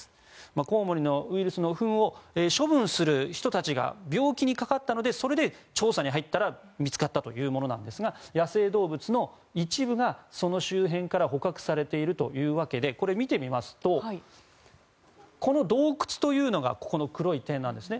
コウモリのウイルスのふんを処分する人たちが病気にかかったのでそれで調査に入ったら見つかったというものなんですが野生動物の一部が、その周辺から捕獲されているというわけで見てみますと洞窟というのが、黒い点ですね。